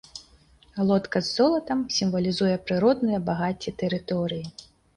Лодка з золатам сімвалізуе прыродныя багацці тэрыторыі.